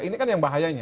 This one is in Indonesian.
ini kan yang bahayanya